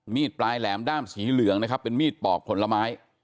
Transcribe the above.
มีดปลายแหลมด้ามสีเหลืองนะครับเป็นมีดปอกผลไม้